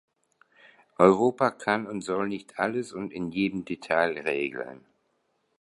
Europa kann und soll nicht alles und in jedem Detail regeln.